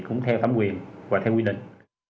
cũng theo thẩm quyền và theo quy định